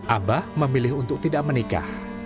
abah memilih untuk tidak menikah